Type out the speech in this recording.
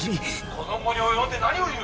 「この期に及んで何を言う！」。